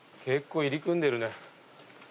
結構入り組んでるね。